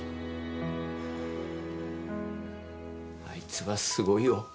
あいつはすごいよ